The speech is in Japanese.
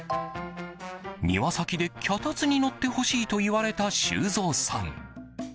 庭先で、脚立に乗ってほしいと言われた修造さん。